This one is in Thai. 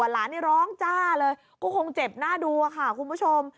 หลานนี่ร้องจ้าเลยก็คงเจ็บหน้าดูค่ะคุณผู้ชม